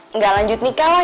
enggak lanjut nikah lah